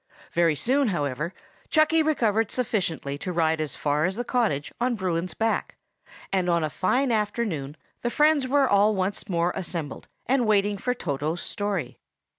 Very soon, however, Chucky recovered sufficiently to ride as far as the cottage on Bruin's back; and on a fine afternoon the friends were all once more assembled, and waiting for Toto's story.